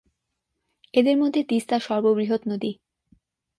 এদের মধ্যে তিস্তা সর্ববৃহৎ নদী।